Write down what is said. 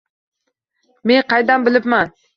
Men qaydan bilibman